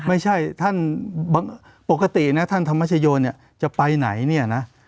ไม่ใช่ปกติท่านธรรมชโยคจะไปไหน